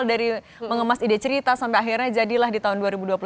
dari mengemas ide cerita sampai akhirnya jadilah di tahun dua ribu dua puluh satu